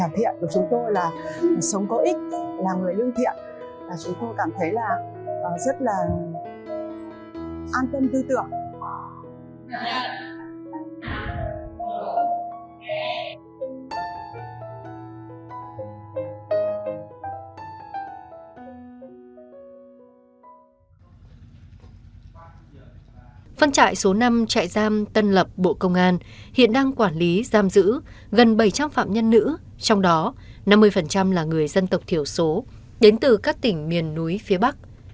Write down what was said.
phân trại số năm trại giam tân lập bộ công an hiện đang quản lý giam giữ gần bảy trăm linh phạm nhân nữ trong đó năm mươi là người dân tộc thiểu số đến từ các tỉnh miền núi phía bắc